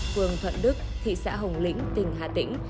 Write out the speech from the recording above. phường thuận đức thị xã hồng lĩnh tỉnh hà tĩnh